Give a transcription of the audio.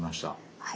はい。